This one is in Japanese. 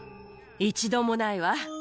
一度もないわ。